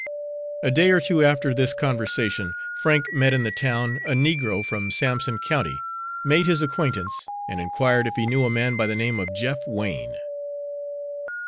A day or two after this conversation, Frank met in the town a negro from Sampson County, made his acquaintance, and inquired if he knew a man by the name of Jeff Wain.